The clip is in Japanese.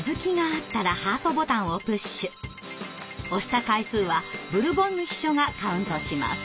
押した回数はブルボンヌ秘書がカウントします。